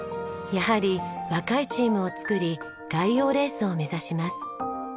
やはり若いチームを作り外洋レースを目指します。